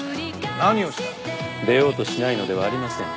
出ようとしないのではありません。